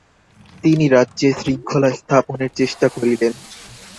তিনি রাজ্যে শৃঙ্খলা-স্থাপনের চেষ্টা করিলেন।